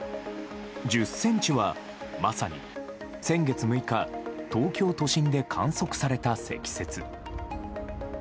１０センチは、まさに先月６日、東京都心で観測された積雪。